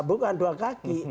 bukan dua kaki